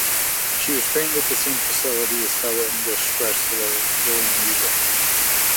She was trained at the same facility as fellow English wrestler William Regal.